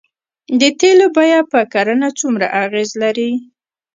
د تیلو بیه په کرنه څومره اغیز لري؟